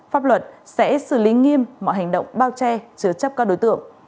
pháp luật sẽ xử lý nghiêm mọi hành động bao che chứa chấp các đối tượng